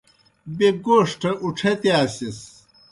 بیْہ گوݜٹھہ اُڇھتِیاسِس۔